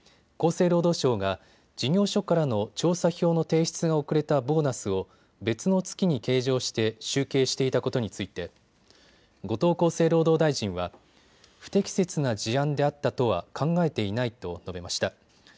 厚生労働省が事業所からの調査票の提出が遅れたボーナスを別の月に計上して集計していたことについて後藤厚生労働大臣は不適切な事案であったとは考えていないと述べました。